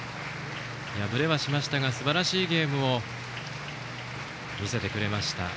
敗れはしましたがすばらしいゲームを見せてくれました。